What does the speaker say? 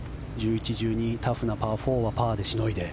１１、１２タフなパー４はパーでしのいで。